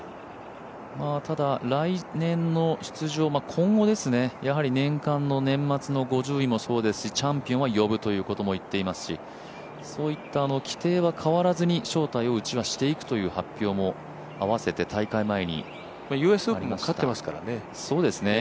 ただ、来年の出場、今後やはり年間の年末の５０位もそうですしチャンピオンは呼ぶということも言っていますしそういった規定は変わらずに招待をうちはしていくという発表も併せてＵＳオープンも勝ってますからね。